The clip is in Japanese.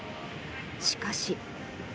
しかし。